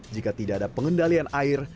jika tidak ada pengendalian air